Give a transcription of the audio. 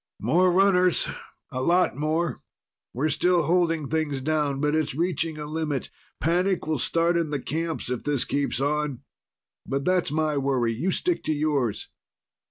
"More runners. A lot more. We're still holding things down, but it's reaching a limit. Panic will start in the camps if this keeps on. But that's my worry. You stick to yours."